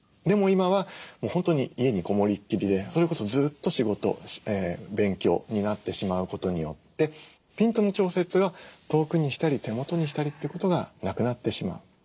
でも今は本当に家にこもりっきりでそれこそずっと仕事勉強になってしまうことによってピントの調節が遠くにしたり手元にしたりってことがなくなってしまう。